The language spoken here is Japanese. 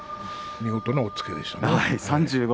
見事な押っつけですね。